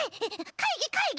かいぎかいぎ！